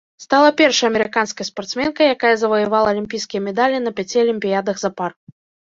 Стала першай амерыканскай спартсменкай, якая заваявала алімпійскія медалі на пяці алімпіядах запар.